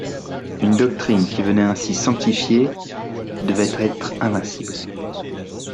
Une doctrine qui venait ainsi sanctifiée devait être invincible.